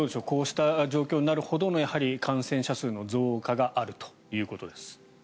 こうした状況になるほど感染者数の増加があるということです。